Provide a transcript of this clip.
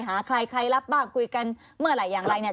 หาใครใครรับบ้างคุยกันเมื่อไหร่อย่างไรเนี่ย